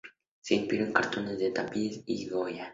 Se inspiró en cartones para tapices de Goya.